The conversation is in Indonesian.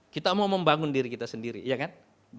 kita mau membangun diri kita sendiri iya kan